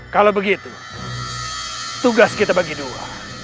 kalau begitu tugas kita bagi dua